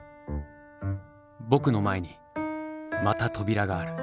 僕の前にまた扉がある。